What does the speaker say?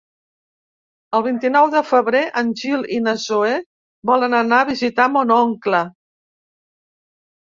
El vint-i-nou de febrer en Gil i na Zoè volen anar a visitar mon oncle.